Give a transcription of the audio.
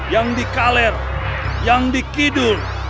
yang dikaler yang dikidur